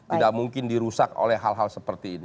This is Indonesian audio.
tidak mungkin dirusak oleh hal hal seperti ini